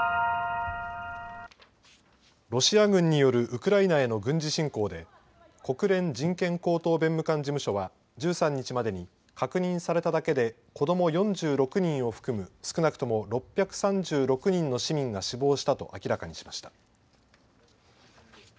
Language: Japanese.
ロシア軍によるウクライナへの軍事侵攻で国連人権高等弁務官事務所は１３日までに確認されただけで子ども４６人を含む少なくとも６３６人の市民が死亡したと明らかにしました。